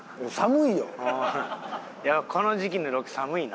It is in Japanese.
いやこの時期のロケ寒いな。